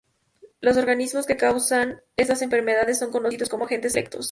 Los organismos que causan estas enfermedades son conocidos como agentes selectos.